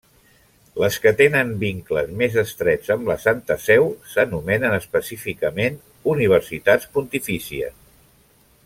Les que tenen vincles més estrets amb la Santa Seu s'anomenen específicament universitats pontifícies.